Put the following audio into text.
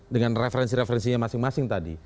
dengan referensi referensinya masing masing tadi